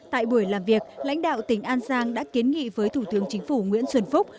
tại buổi làm việc lãnh đạo tỉnh an giang đã kiến nghị với thủ tướng chính phủ nguyễn xuân phúc